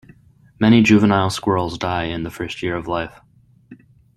Many juvenile squirrels die in the first year of life.